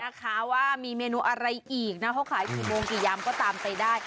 นะคะว่ามีเมนูอะไรอีกนะเขาขายกี่โมงกี่ยำก็ตามไปได้